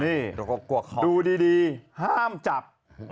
นี่ดูดีห้ามจับ